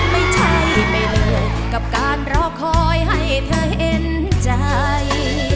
ไม่ใช่ไม่เลิกกับการรอคอยให้เธอเห็นใจ